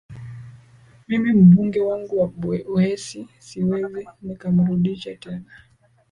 mimi mbunge wangu wa bweisi siwezi nikamrudisha tena